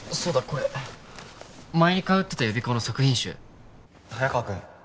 これ前に通ってた予備校の作品集早川君